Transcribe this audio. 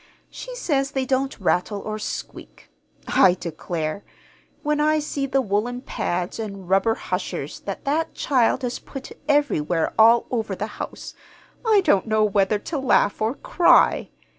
She says they don't rattle or squeak. I declare, when I see the woolen pads and rubber hushers that that child has put everywhere all over the house, I don't know whether to laugh or cry.